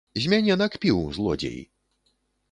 З мяне накпіў, злодзей!